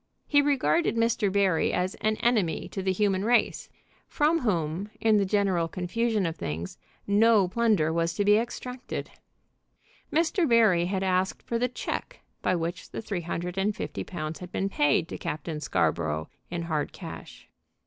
He regarded Mr. Barry as an enemy to the human race, from whom, in the general confusion of things, no plunder was to be extracted. Mr Barry had asked for the check by which the three hundred and fifty pounds had been paid to Captain Scarborough in hard cash.